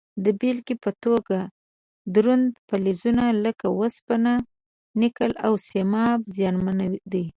د بیلګې په توګه درانده فلزونه لکه وسپنه، نکل او سیماب زیانمن دي.